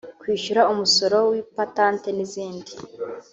kwishyura umusoro w’ipatante n’izindi